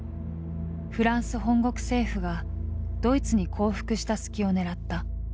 フランス本国政府がドイツに降伏した隙を狙った。